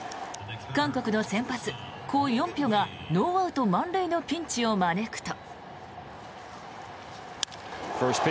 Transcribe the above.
韓国の先発、コ・ヨンピョがノーアウト満塁のピンチを招くと。